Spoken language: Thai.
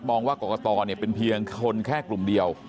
ว่ากรกตเป็นเพียงคนแค่กลุ่มเดียว